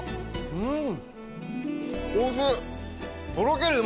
うん！